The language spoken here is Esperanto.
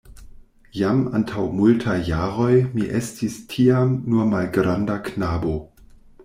Jam antaŭ multaj jaroj mi estis tiam nur malgranda knabo.